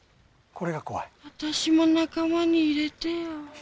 私も仲間に入れてよ